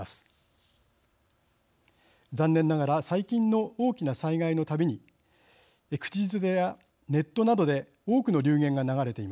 残念ながら最近の大きな災害の度に口づてやネットなどで多くの流言が流れています。